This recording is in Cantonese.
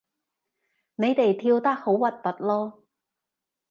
你哋跳得好核突囉